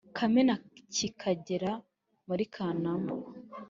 Kame na kikagera muri kanama